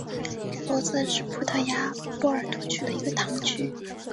罗森是葡萄牙波尔图区的一个堂区。